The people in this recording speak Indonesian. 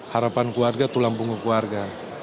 harapan keluarga tulang punggung keluarga